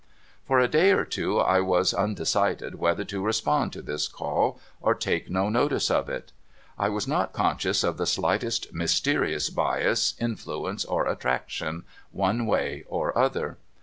I"'or a day or two I was undecided whether to respond to this call, or take no notice of it. I was not conscious of the slightest mysterious bias, influence, or attraction, one way or other.